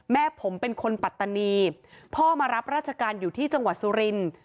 แม่ผมเป็นคนปัตตานีพ่อมารับราชการอยู่ที่จังหวัดสุรินทร์